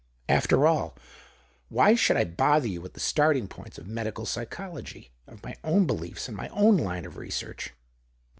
After all, why should I bother you with the starting points of medical psychology — of my own beliefs, and my own line of research